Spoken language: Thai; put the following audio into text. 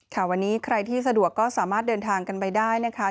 ค่ะวันนี้ใครที่สะดวกก็สามารถเดินทางกันไปได้นะคะ